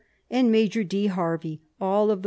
and Major D. Harvey (all of the R.